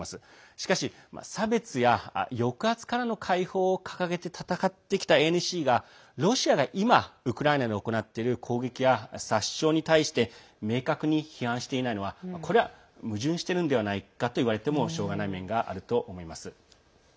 しかし差別や抑圧からの解放を掲げて闘ってきたＡＮＣがロシアが今ウクライナで行っている攻撃や殺傷に対して明確に批判していないのはこれは矛盾しているのではないかといわれるのもしょうがない面があると思います。